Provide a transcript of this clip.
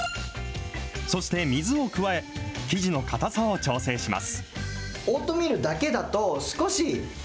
そして水を加え、生地の硬さを調整します。